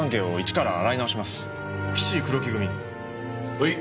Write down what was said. はい。